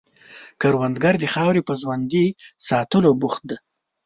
کروندګر د خاورې په ژوندي ساتلو بوخت دی